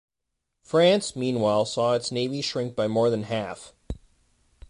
France, meanwhile, saw its navy shrink by more than half.